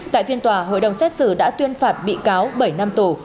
tại phiên tòa hội đồng xét xử đã tuyên phạt bị cáo bảy năm tù